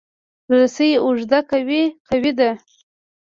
رسۍ اوږده که وي، قوي ده.